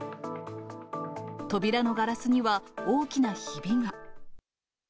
扉のガラスには大きなひびが。